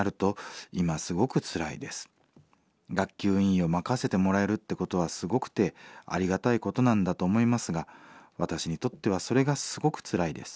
学級委員を任せてもらえるってことはすごくてありがたいことなんだと思いますが私にとってはそれがすごくつらいです。